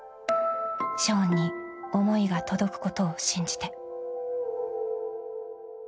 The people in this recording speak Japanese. ［ショーンに思いが届くことを信じて］